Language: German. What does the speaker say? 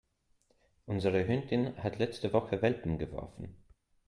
Unsere Hündin hat letzte Woche Welpen geworfen.